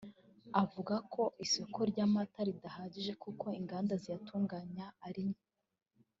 avuga ko isoko ry’amata ridahagije kuko inganda ziyatunganya ari nke